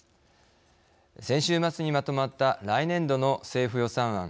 先週末にまとまった来年度の政府予算案。